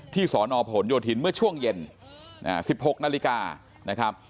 สนผลโยธินเมื่อช่วงเย็น๑๖นาฬิกานะครับ